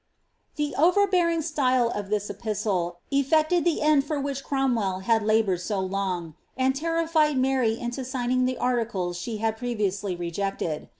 The overbearing style of this epistle effected the end for which Crom well had laboured so long, and terrified Mary into signing the articles •he had previously rejected.